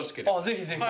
ぜひぜひ。